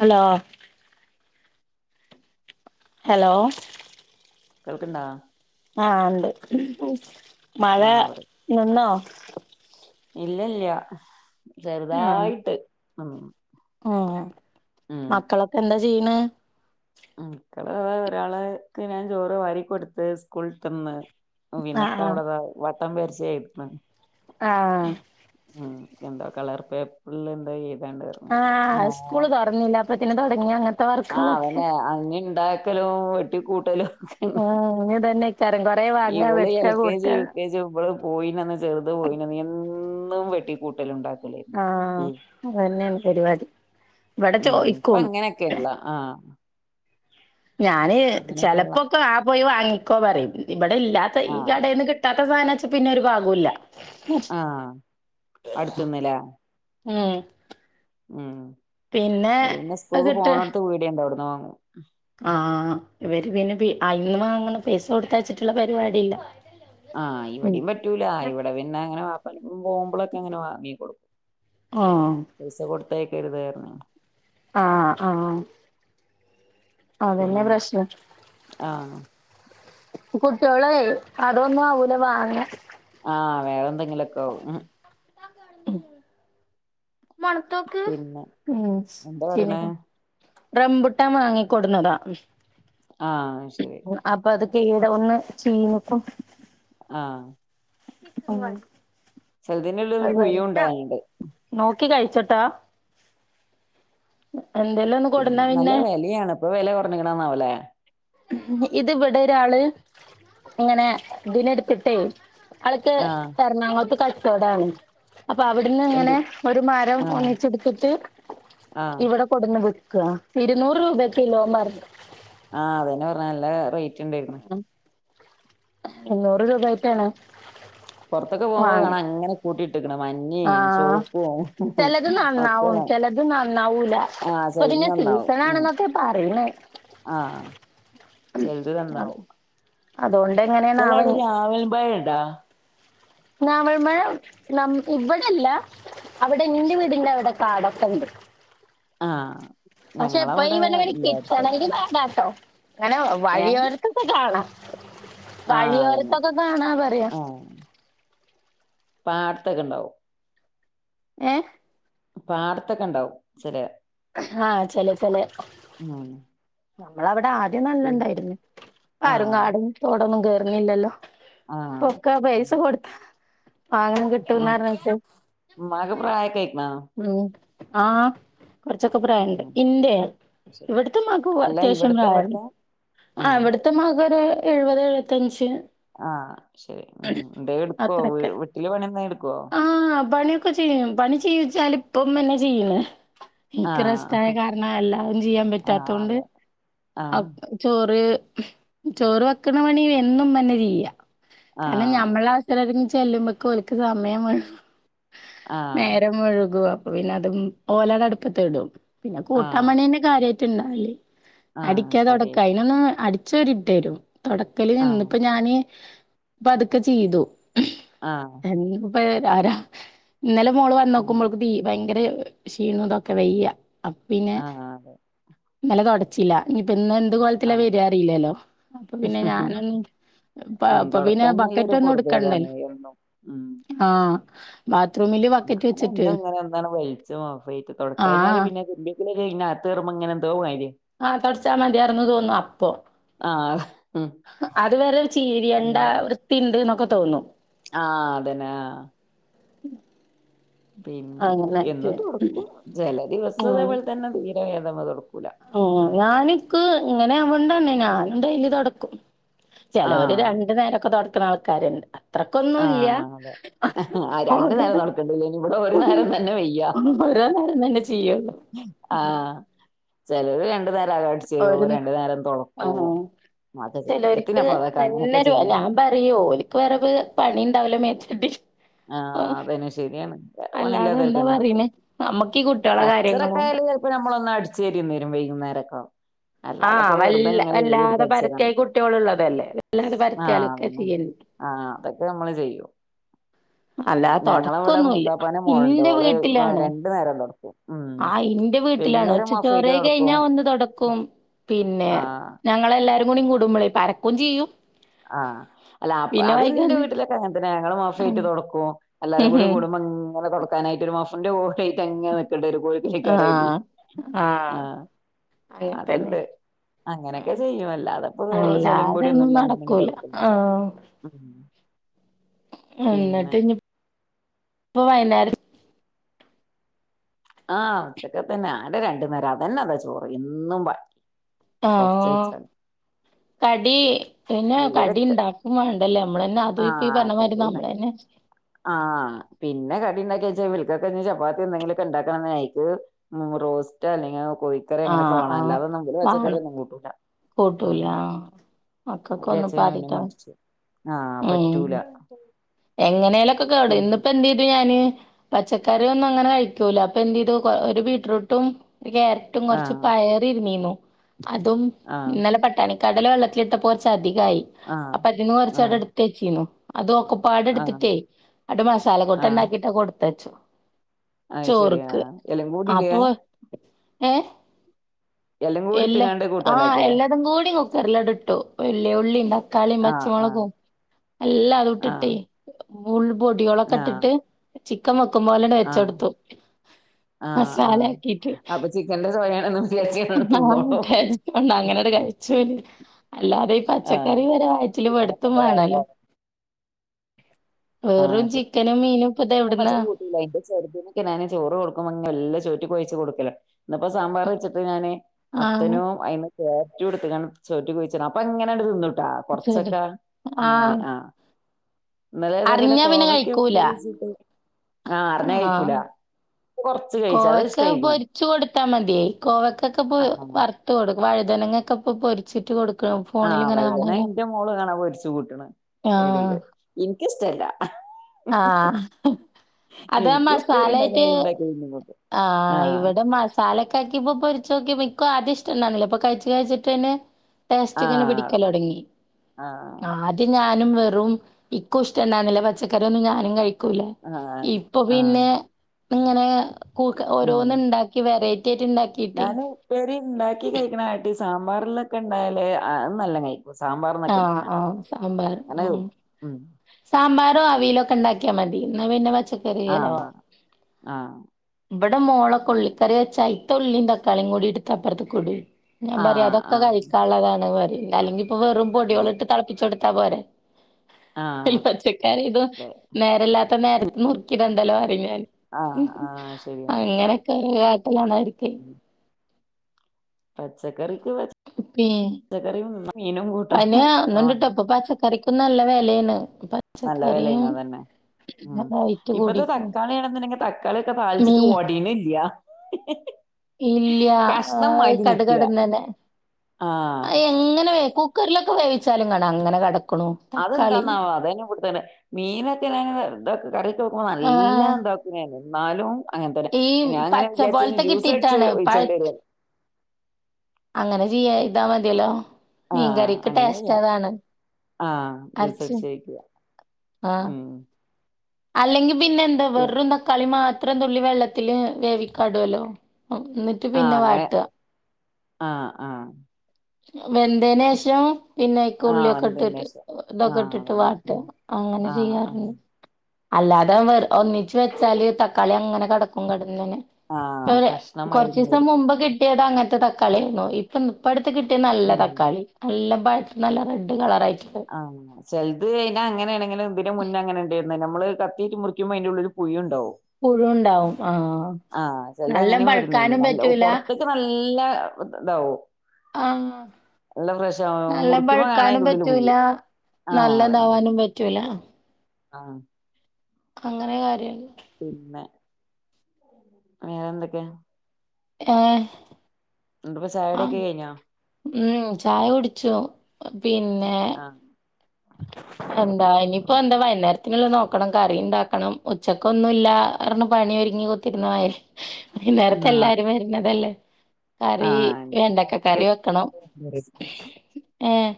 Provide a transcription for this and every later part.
Hello hello കേൾക്ണ്ടാ ആ ണ്ട് മഴ ആഹ് നിന്നോ ഇല്ലല്ല്യ ചെറ്തായിട്ട് ആ ആഹ് ആ മക്കളൊക്കെ എന്താ ചീയ്യ്ണ് ഉം ക്കള ഒരാളേക് ഞാൻ ചോറ് വാരികൊട്ത്ത് സ്കൂള്ട്ടന്ന് ആഹ് വിനത്ത അവിടെത വട്ടം വര്ച്ച് എഴുത്ണ് ആഹ് എന്തോ കളർ പേപ്പര്ല് എന്തോയ്യ ആഹ് സ്കൂള് തൊർന്നില്ല പ്പ തുടങ്ങി അങ്ങ ആഹ് അവനെ അങ്ങ ഇണ്ടാക്കലും വെട്ടി കൂട്ടലും. ആഹ് ഇനി ഇതന്നെ ചരം കൊറേ വാങ്ങ ഇവള് എൽ വെട്ടാ കെ ജി കൂട്ടാ യു കെ ജി ഇവള് പോയിനന്ന് ചെറുത് പോയിനന്ന് എന്നും വെട്ടി കൂട്ടലും ഇണ്ടാ ആഹ് അത് തന്നെയാണ് പരിപാടി ഇവിടെ ഉം ഇപ്പൊ ചോയിക്കും. അങ്ങനെയൊക്കെയുള്ള ആഹ് ഞാന് അങ്ങനെയൊക്കെയുള്ള ചെലപ്പോക്കെ ആ പോയി വാങ്ങി കോ പറയൽണ്ട് ഇവിടെ ഇല്ലാത്ത ഈ ആഹ് കടേന്ന് കിട്ടാ- ഈ സാനാ ച്ച പിന്നൊരു ഭാഗോല്ല ആഹ് അടുത് ന്ന് ലേ മ്മ്- ഉം വൽ പിന്നെ സ്കൂള് അത് ക്ക് കിട്ട പോണോടുത്ത് പീട്യ ണ്ട് അവിടു ന്ന് വാങ്ങും ആഹ് ഇവര് പിന്നെ ഐന്ന് മാങ്ങണ പൈസ കൊട് തൈച്ചിട്ടുള്ള പരിപാടി ഇല്ല ആഹ് ഇവിടിം പറ്റൂല ഇവിടെ പിന്നെ അങ്ങനെ പോകുമ്പോളൊക്കെ അങ്ങനെ വാങ്ങീ കൊടുക്കും ആഹ് പൈസ കൊടു തയ്ക്കരുത് പറഞ്ഞണ് ആഹ് ആഹ് അതെന്നെ പിന്നെ പ്രശ്നം ആഹ് കുട്ട്യാളെ അതൊന്നും ആവൂല വാങ്ങ ആഹ് വേറെ എന്തെങ്കിലോക്കെ ആവും ഉം ആ മണത്തോക്ക് പിന്നെ ഉം എന്താ പറയണേ ചീഞ്ക് ണു റംബുട്ടാൻ വാങ്ങിക്കൊടുന്നതാ ആഹ് ശരി അപ്പൊ അത് കീട ഒന്ന് ചീഞ്കുണു ആഹ് ഉം ചെലതിനുള്ളൊരു പുഴു ഉണ്ടാവലിണ്ട് ക്കി കഴിച്ചിട്ടാ ഉ പിന്നെ നല്ല വിലയാണ് ഇപ്പൊ വില കുറഞ്ഞ കണാവലേ ഇത് വിടെ ഒരാള് ഇങ്ങനെ ഇതി നെടുത്തിട്ടേ അള് ക്ക് ആഹ് എറണാകൊളത്ത് ക ചോടാണ് അപ്പൊ അവിടെന്ന് എന്ത് ഇങ്ങനെ ഒരു മരം ആഹ് ഒന്നിച്ചെടുത്തിട്ട് ആഹ് ഇവിടെ കൊടുന്ന് വി ഇരുനൂറ് രൂപ കിലോ പർ ആഹ് അതെന്നെ പറഞ്ഞ നല്ല റേ റ്റ് ണ്ടായിരുന്നു എണ്ണുറ് രൂപായൊ ക്കെയാ ണ് പുറത്തൊക്കെ പോകുമ്പോ കാണ അങ്ങനെ കൂട്ടി ആഹ് ചിലത് ഒക്കെ നന്നാവും കാണാം ചിലത് നന്നാവൂല ആഹ് ചെലത് അപ്പൊതിന്നെ നന്നാവും സീസൺ ഉം ആണെന്നൊക്കെ പറയണേ ആഹ് ചെലത് നന്നാവും അതുകൊണ്ട് ചില എങ്ങനെയാണാവ അവിടെ രാവലും ഭയണ്ടാ നാവൾമഴ ന ഇവിടെല്ല അവിടെ എന്റെ വീടിിലും അവിടെ കാടൊക്കെ ഉണ്ട് ആഹ പക്ഷെ എപ്പ ഇ പറനെ കെറ്റായി വടാട്ടോ അങ്ങനെ ഏഹ് വഴിയോർത്തൊക്കെ കാണാം ആഹ് അതന്നെ വഴിയോരത്തൊക്കെ കാണാ പറയാ ആഹ് പാടത്തൊക്കെ ഇണ്ടാവും ഏഹ പാടത്തൊക്കെ ഉണ്ടാവും ചെറയാ ആഹ ചല തല്ലെ ആഹ നമ്മളവിടെ ആ ന ആ ആഹ് ഉങ്ങയില്ലല്ലോ പക്ക ആഹ് ബയസ കൊടുത്ത ആ അങ്ങനെ ഉം കിട്ടന്നാരട്ട ഉമ്മാക്ക് പ്രായൊക്കെ ആയിക്ക്ണോ ഉം ആഹ കുറച്ചൊക്കെ പ്രായുണ്ട് ഉം ഇന്ത്യ ശരി ഇവിടത്തെ മാക്ക് അല്ല അത്യാവശ്യം ഇവിടുത്തെ പ്രായ ഇവിടുത്തെ ആ ആഹ് ഇവിടത്തെ മാക്ക്രു എഴുപത് എഴുപത്തഞ്ച് ആ ശരി ഉ എന്ത എടുക്കുവോ അത്രയൊക്കെ വീട്ടില് പണിയന്താ എടുക്കുവോ എന്ന ഇപ്പം എന്നന്നെ ചെയ്യുന്ന എനിക്ക് ആഹ് റെസ്റ്റായകാരണം എല്ലാവും ചെയ്യാൻ പറ്റാത്ത ആഹ് കൊണ്ട് അതെ ആ ആഹ് ചോറ് ചോറ് വെക്കണ പണി എന്നുംഉമ്മന്നെ ചെയ്യ കാരണം ആഹ് അതെ ഞമ്മളസര [inaudible] ചെല്ലുമ്പക്കലക്ക്ഓല്ക്ക് സമയംവെ ആഹ് നേരം മുഴുവ പ്പ പിന്നെ അതും ഓലടെ അടുപ്പതേടും പിന്നെ ആഹ് കൂട്ടാമണേന്റെ കാര്യ തിന്നാലി ആഹ് അടിക്കാതൊടക്ക കാര്യായിട്ട് അയിനൊന്ന് അ ചരിദ്തരും തുടക്കല് ആഹ് നിന്നിപ്പ ഞാന് അപ്പ അതുൊക്കെ ചെയ്തു ആ ഇന്നിപ്പോ ഇന്നലെ മോള് വന്ന ഉം ക്കുമ്പോബി ഭയങ്കര ക്ഷീണതൊക്കെ വെയ്യ പിന്നെ ആഹ് അതെ ഇന്നല തൊടച്ചില്ല ഇനിപ്പന്ന അതുപോല്ത്തെ ആഹ് വരാറില്ലല്ലോ അപ്പൊ പിന്നെ ഉം ഞാനൊപ്പ പിന്നെ ബക്കറ്റ് തൊടക്കാഞ്ഞാലൊരു ഒന്നും പൊറുതേടാണ് എടുക്കണ്ടല്ലോ എന്നും ഉം ആ ബ ബാത്റൂമില് ബക്കറ്റ് വെച്ചി ഇന്ന ഇങ്ങനെ എന്താണ് വലിച്ചോ വൈകിട്ട് തുടക്കാല് എന്നാല് ആഹ് പിന്നെതിനാത്ത് കേറുമ്പോ ഇങ്ങനെ എന്തോമാതിരി ആ തുടച്ചാ മതിയാർന്ന് തോന്നും അപ്പൊ ആഹ് ഉം അത് വേറെ ചീരിയണ്ട വൃത്തി ഉണ്ട് ന്നൊക്കെ തോന്നു ആ അതന്നെ ആ ഉം പിന്നെ എന്നും തടുക്കും ജല ദിവസോ ഇതേപോലെ പോലെ തന്നെ [unintelligible] [unintelligible] ആ ഞാനിക്ക് ഇങ്ങനെ കൊണ്ടന്നെനാ നിണ്ടയില്ല്തെടക്കും. ചെലവര് ആഹ് രണ്ടു നേരൊക്കെ തൊട ക്കണ ആൾക്കാര്ണ്ട്. അത്രക്കൊന്നുംല്ല. ആഹ് അതെ ആ രണ്ടു ഓരോ നേരം നടക്കണ്ടില്ല ഇനി ഇവിടെ ഒരു ഓ നേരം തന്നെ വയ്യ ഓരോ നേരം തന്നെ ചെയ്യുള്ളൂ. ഉം ചെലര് രണ്ട് നേ [unintelligible] അതൊക്കെ ചെയ്യും ചെലവരിക്ക് എത്തിനപ്പ അതൊക്കെ അങ്ങനൊക്കെ എല്ലരു ല്ല ചെയ്യുന്നു ഞാൻ പറയോം ഓലിക്ക് വെരത് പണി [unintelligible] മേച്ച് കിട്ടി ആഹ് അതന്നെ. ശെരിയാണ്. ഓ വേറെ അല്ലാതെ എന്താ പണിയില്ലാത്തോർക്കുനെടക്കൊള്ളൂ. പറീണെ നമ്മക്ക് ഈ കുട്ട്യാളെ കാര്യങ്ങളും കച്ചറക്കായാല് ചെലപ്പ നമ്മെള് ഒന്നടി ചേരി നേരം വൈകുന്നേരെക്ക. ആഹ് വൽ വല്ലാതെ തരാൻ പരത്തിയായി പറ്റോ കുട്ടികളുള്ളതല്ലേ. വല്ലാതെ ആഹ് അതന്നെ പരത്തിയാലൊക്കെക്കീ ആഹ് അതൊക്കെ നമ്മള് ചെയ്യും അല്ലാ ഞങ്ങളവിടെ തൊടക്കൊന്നുല്ല. മൂത്താപ്പാന്റെ മോളുണ്ട് ന്റെ ഓള് വീട്ടിലാണ്. രണ്ടു നേരം തൊടക്കും ഉം ആ യിന്റെ വീട്ടിലാണ് വൈകുന്നേരം ഉച്ചക്ക് മഫ്‌തായിട്ട് ചോറെയി തൊടക്കും കഴിഞ്ഞാ ഒന്ന് തൊടക്കും. പിന്നെ ആഹ് ഞങ്ങളല്ലാരും [unintelligible] കൂടുമ്പഴേ പരക്കും ചെയ്യും ആഹ് അല്ല അപ് പിന്നെ അത് ഇന്റെ വൈകുന്നേ വീട്ടിലൊക്കെ അങ്ങത്തന്നെ ഞങ്ങള് മോഫ്റ്റ് ആഹ് തൊടക്കും എല്ലാരുക്കൂടി കൂടുമ്പോ ഇങ്ങനെ തൊടക്കാനായിട്ട് ഒരു മോഫ് അന്റെ ഓട്ടയിട്ടങ്ങെനെ പിള്ളേരു കോഴിക്കൂഞ്ഞൊക്കെ റെഡി. ആഹ് ആ ആഹ് അങ്ങൻതന്നെ അതെണ്ട്. അങ്ങനെക്കെ ചെയ്യും. അല്ലാതപ്പോ ചെളിയും അല്ലാതൊന്നും പൊടിയൊന്നുംല്ലന്നാ. നടക്കൂല ആഹ് പിന്നെ എന്നിട്ട് ഇനി പ്പ വൈയു [inaudible] ആഹ് ഉച്ചക്കത്തെന്നെ ആകെ രണ്ട് നേരം അതന്നെ കൊറച്ച് ആഹ് വെച്ചാല് കടി പിന്നെ ഇവരൊക്കെ കടിയിണ്ടാക്കു വാണ്ടല്ലേ നമ്മള് പിന്നെ അതും ഇപ്പയി ആഹ് പറഞ്ഞമാതിരി കറി നമ്മളെന്നെ. ആഹ് പിന്നെ കടി ഉണ്ടാക്കിച്ചാ വിൽക്കക്കെനി ചപ്പാത്തിയെന്നെങ്കിലുക്കെണ്ടാക്കാനെയ്ക്കും ഉ റോസ്റ്റ് അല്ലെങ്കി ഉ കോഴിക്കറി അങ്ങനെയെക്കെ ആഹ് വേണം. ആഹ് അല്ലാതെ നമ്മില് വാണം പച്ചക്കറിയൊന്നും കൂട്ടൂല. ഉം കൂട്ടൂല ഉം ആഹ് മക്കക്കൊന്നും ഇപ്പ അതിലച്ചകാർണ പിന്ന ആദ്യത്തെ മടിച്ച ആഹ് പറ്റൂല എങ്ങനെലൊക്കെ കേടു. പിന്നെ ഇന്ന്പ്പെ എന്തെയ്തു ഞാന്. പച്ചക്കറിയൊന്നും അങ്ങനെ കഴിക്കൂല. അപ്പൊ എന്ത് ചെയ്തു കൊ ഒര് ബീറ്റ്റൂട്ടും. ഒര ക്യാരറ്റും കൊറച്ച് ആഹ് പയറിരുന്നീന്നു. അതും ആഹ് ഇന്നലെ പട്ടാണി കടല വെള്ളത്തിലിട്ടപ്പോരു ചദി ക്കയ് ആഹ് അപ്പയതീന്ന് ആഹ് കൊറച്ചതെടു വെച്ചീന്നു അത് കുപ്പാട് ആഹ് എടുത്തിട്ടേ അട മസാല കൂട്ടാൻ ആഹ് ഉണ്ടാക്കിട്ട കൊടു ത്തച്ചു ആഹ് ശരിയാ എല്ലം കൂടി ടേ ഏ എല്ലാ ആഹ് കൂട്ടാണ്ടാക്കെ എല്ലാതും കൂടി നു ക്കർ ലാട് ഇട്ടു വല്ലുള്ളീം ത ക്കാളീം ആഹ് ആഹ് പച്ചമുളകും എല്ലാതും ആഹ് ഇട്ടിട്ടേ ബുൾ പൊടിയികളൊക്കെ ആഹ് ഇട്ടിട്ട് ചി ക്കൻ വെക്കുമ്പോലണ്ട് വെ ച്ചെടുത്തു ആഹ ആഹ് അപ്പൊ ചിക്കന്റെ ചൊ യാണും വിചാരിച്ച ആഹണ്ട അങ്ങനെയട് കഴിച്ചോ ല് അല്ലാതെ ഈ ആഹ് പച്ചക്കറി വരെ വയ് റ്റില് അതൊക്കെ പെടുത്തും ഇന്റെ വേണല്ലോ കാട്ടാണ് വെറും ചിക്കനും മീനും ഇപ്പൊ ഇത് എവിടുന്നാ [unintelligible] എന്റെ ചെറുതിനൊക്കെ ഞാന് ചോറ് കൊടുക്കും [unintelligible] ചോ ന്നിട്ട് കൊഴച്ച് കൊടുക്കല ഇന്ന് ഇപ്പോ സാമ്പാർ വെച്ചിട്ട് ഞാന് ആഹ് മത്തനും അയിന് ക്യാരറ്റും എടുത്തക്കണ് ചോറ്റി കുഴിച്ച് ഇടാൻ അപ്പോ ഇങ്ങനെ അങ്ങട് തിന്ന് ശരി കൊറച്ചൊക്കെ അങ്ങനെ ആഹ് ആ ഇന്നലെ ഇതേപോലെ അറിഞ്ഞാ പിന്നെ കോവയ്ക്ക കഴിക്കൂല ഉപ്പേരിവേച്ച് ആഹ് കൊറച്ച് കഴിച്ച് അത് കോവക്ക ഇഷ്ടായിക്ക്ണ് പൊരിച്ചു കൊടുത്താ മതിയായി കോവക്കൊക്കെ പോ ആഹ് വറുത്ത് കൊടുക്ക വഴുതനങ്ങൊക്കെ ഇപ്പൊ പൊരിച്ചിട്ട് കൊടുക് ആഹ് വൈദന എന്റെ മോള് കാണാൻ പൊരിച്ച് കൂട്ടണ് ആഹ് ഇടയില് എനിക്കിഷ്ടല്ല ആഹ് അതാ മസാലായിട്ട് ആഹ് ഇവിടെ മസാലൊക്കെ ആക്കിപ്പോ പൊരിച്ച് നോക്കിയപ്പ എനിക്കും ആദ്യം ഇഷ്ടണ്ടാര്ന്നില്ല ഇപ്പൊ കഴിച്ച് കഴിച്ചിട്ട് പിന്നെ ടേസ്റ്റ് ഇങ്ങനെ ആഹ് പിടിക്കലൊടങ്ങി ആഹ് ആദ്യം ഞാ വെറും ഇൻകും ഇഷ്ടണ്ടാരുന്നില്ല പച്ചക്കറി ഒന്നും ഞാനും ക കൂല ആഹ് ഇ അപ്പൊ ആഹ് പിന്നെ ഇപ്പങ്ങനെ ക്കൂ ഉം ഓരോന്ന് ഉണ്ടാക്കി വെറൈ ഞാൻ ഉപ്പേരി ണ്ടാക്കി കഴിക്കണ ആട്ട് സാമ്പാറെല്ലാം ക്ക്ണ്ടായല് നല്ല കയ് ആഹ് ആഹ് സാമ്പാർ ആഹ് തിന്നും. ഉം സാമ്പാറും ആവിയല് ക്ക് ഉണ്ടാക്കിയാ മതി ന്ന പിന്നെ പച ആഹ് ആഹ് ആഹ് ഇവിടെ മോളൊക്കുള്ളിക്കറി വെച്ച അയ്ത്ത ഉള്ളിം തക്കാളിം കൂടി ഇട്ത്തപ്പൊർത്ക്കിടുവേ. ഞാൻ പറയാ ആഹ് അതൊക്കെ ആഹ് കഴിക്കാള്ളതാണ് പറിം ഇല്ലാ അല്ലെങ്കിപ്പ വെറും അതെ പൊടിയോള് ട്ട് തളപ്പിച്ചൊടു ത്താ പോരേ. ഈ ആഹ് പച്ചക്കറി ദും അതെ നേരെല്ലാത്ത നേരത്ത് നുർക്കിട [unintelligible] പിന്നേ റിം ആഹ് ആഹ് ശരിയാണ് അങ്ങനെയൊക്കെ [unintelligible] ലോണാരിക്കേ പച്ച ചക്കറിക്ക് പച്ചക്കറ പനിയ ഒന്നണ്ടിട്ടപ്പൊ പാച്ച കറരിക്കും നല്ല വിലയാണ് നല്ല പച്ചക്കറിയും വിലയണ തന്നെ ഉം റേറ്റ് ഇപ്പത്തെ കൂടിക്കുണു തക്കാളിണെന്നുണ്ടെങ്കിൽ തക്കാളിയ ഒക്കെ മീ താളിച്ചിട്ട് ഒടിന ഇല്ല ഇല്ല കഷണം മാറ്റ നിിക്ക കടുകടന്നനെ ആഹ കുക്കറിലൊെേവിച്ചാലും കാണ അങ്ങെടും അതെന്താന്ന അതെന വിടുത്തേന മീനൊക്കെ ഇതൊെ ക നല്ല ആഹ് ഉണ്ടാക്കെ നാലും ഈ അങ്ങനത്തെന്നാ അങ്ങനെ പച്ച വിചാരിച്ച പോലത്തെ ജ്യൂസ് കിട്ടിയിട്ടാണ്. അടിച്ചച്ച് പഴ ഒഴിച്ചോണ്ട വരത് അങ്ങനെ ചെയ്യാ ഇതാ മതിയല്ലോ ആഹ മീൻകറിക്ക് അങ്ങനെെയ്യ ടേസ്റ്റ് അതാണ്. ആഹ അരച്ച് ജൂസ്ടിച്ചയ്ക്കുക ഉം അല്ലെങ്കിൽ പിന്നെ എന്ത ഉം. വെറുംന്ത കളിമ അത്രയും തുള്ളി വെള്ളത്തില് വേവിക്കാടുല്ലോ എന്നിട്ട് ആ പിന്നെ അങ്ങനെ വാട്ടുക ആ ആ വെന്തേനുശേഷം പിന്നെക്ക ആ ഉള്ളിയൊക്കെ വന്നതിന് ഇട്ടിട്ട് ശേഷം ആ ഇതൊക്കെ ഇട്ടിട്ട് അതന്നെ വാട്ടുക ഉം. അങ്ങനെ ആ ആ ചെയ്യാറുണ്ട്. അല്ലാതെ ഒന്നിച്ച് വെച്ചാല് തക്കാളി അങ്ങനെ കിടക്കും കിട ആ അങ്ങനെ കഷ്ണമായി കുറച്ച് ഇങ്ങനെ ദിവസം കൊടുക്കും മുമ്പ് കിട്ടിയത് അങ്ങനത്തെ ത കളിയാണോ ഇപ്പൊ ഇപ്പ കിട്ടിയ നല്ല ഉം തക്കാളി നല്ല നല്ല റെഡ് കളർ ആയി ആഹ് ചെലത് അങ്ങനെണ് ഇങ്ങനെ ഇതിന് മുന്നേ അങ്ങനെ ഉണ്ട നമ്മള് കത്തിയിറ്റു മുറിക്കുമ്പോ അതിൻ്റെ ഉള്ളില് പുഴു ഉണ്ടാവും. പുഴു ഉണ്ടാവും. ആഹ് ആ ചിലത് നല്ലം അങ്ങനെയും വരും പഴുക്കാനും നല്ല പറ്റൂല പുറത്തേക്ക് നല്ല ഇതാവും ആഹ് നല്ല ഫ്രഷ് ആവും നല്ലം മുറിക്കുമ്പോ കാണാ പഴുക്കാനും അറെ ഉള്ളില് പറ്റൂല പുഴു. നല്ലതാവാനും പറ്റൂല. ആ. അങ്ങനെ കാര്യല്ല. പിന്നെ വേറെ എന്തൊക്കെ? ഏ ഇപ്പ ചായകുടി ഒക്കെ കഴിഞ്ഞാ? ഉം ചായ കുടിച്ചു. പിന്നെ ആഹ് എന്താ ഇനിപ്പോ എന്താ വൈകുന്നേരത്തിനുള്ള നോ ക്കണം കറി ഇണ്ടാക്കണം ഉച്ചക്ക് ഒന്നുല്ലാ ർണ് പണി ഒരുങ്ങി കുത്തിര്ന്നതേനി. വൈന്നേരത്ത് ആഹ് എല്ലാരും വര്നതല്ലേ. കറീ ആഹ് വെണ്ടക്ക കറി വെക്കണം. ഏഹ്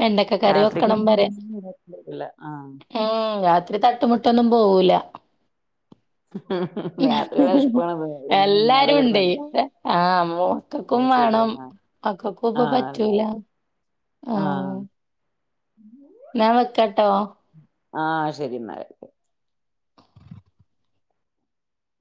വെണ്ടക്ക കറിയൊ [unintelligible] ആഹ്. ഉം രാത്രി തട്ടുമുട്ടൊന്നും പോവൂലാ രാത്രി വെശപ്പാണത് ഒന്നും തിന്നാതെ എല്ലാരും കെടന്ന് ഇണ്ടേ ആഹ് മൊക്കക്കും അത് വേണം ശരിയാണ് മക്കക്കും ഇപ്പൊ പറ്റൂല്ല ആഹ് ആഹ്. ഞാൻ വെക്കാട്ടോ. ആഹ് ശരി എന്നാല്